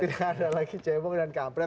tidak ada lagi cebong dan kampret